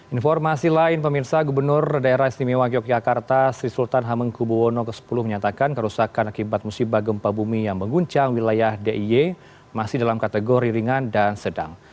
informasi lain pemirsa gubernur daerah istimewa yogyakarta sri sultan hamengkubuwono x menyatakan kerusakan akibat musibah gempa bumi yang mengguncang wilayah d i y masih dalam kategori ringan dan sedang